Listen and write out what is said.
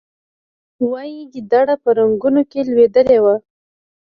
وایي ګیدړ په رنګونو کې لوېدلی و.